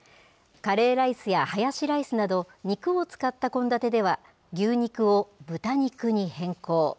カレーライスやハヤシライスなど、肉を使った献立では、牛肉を豚肉に変更。